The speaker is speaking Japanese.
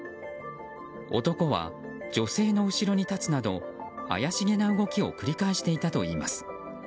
男は女性の後ろに立つなど怪しげな動きを繰り返していたといいます。